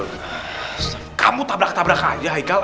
ustadz kamu tabrak tabrak aja haikal